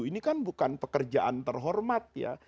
ini kan bukan pekerjaan terhormat ya